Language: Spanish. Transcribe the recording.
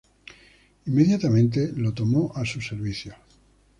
Inmediatamente lo tomó a su servicio.